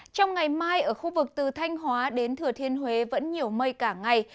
trong ngày mai ở khu vực từ thanh hóa đến thừa thiên huế vẫn nhiều mây cả ngày